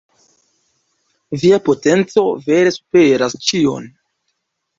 Via potenco vere superas ĉion.